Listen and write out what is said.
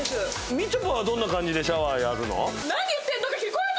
みちょぱはどんな感じでシャワーやるの？